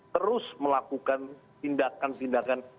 terus melakukan tindakan tindakan